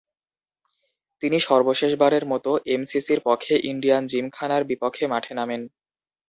তিনি সর্বশেষবারের মতো এমসিসির পক্ষে ইন্ডিয়ান জিমখানার বিপক্ষে মাঠে নামেন।